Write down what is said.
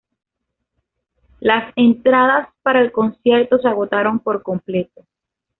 Las entradas para el concierto se agotaron por completo.